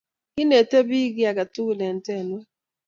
Kinete pik kiaketugul en tenwek